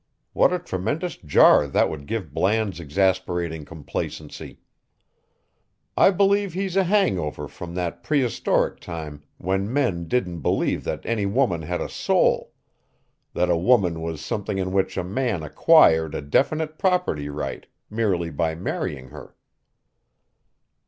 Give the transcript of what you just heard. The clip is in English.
What a tremendous jar that would give Bland's exasperating complacency. I believe he's a hang over from that prehistoric time when men didn't believe that any woman had a soul that a woman was something in which a man acquired a definite property right merely by marrying her."